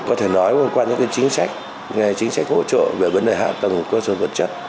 có thể nói qua những chính sách chính sách hỗ trợ về vấn đề hạ tầng cơ sở vật chất